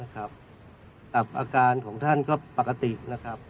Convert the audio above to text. อาการของท่านก็ปกตินะครับ